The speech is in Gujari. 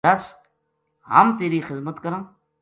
دس ! ہم تیری خذمت کراں‘‘